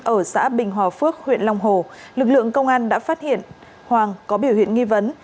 ở xã bình hòa phước huyện long hồ lực lượng công an đã phát hiện hoàng có biểu hiện nghi vấn